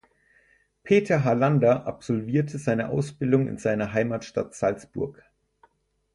Peter Harlander absolvierte seine Ausbildung in seiner Heimatstadt Salzburg.